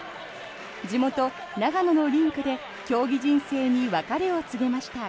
地元・長野のリンクで競技人生に別れを告げました。